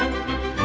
terima kasih jack